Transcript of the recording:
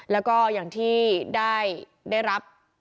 แล้วก็อย่างที่ได้รับ